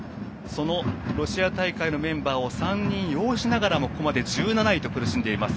このロシア大会のメンバーを３人ようしながらもここまで１７位と苦しんでいます